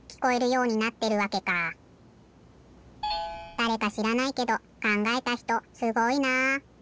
だれかしらないけどかんがえたひとすごいなあ！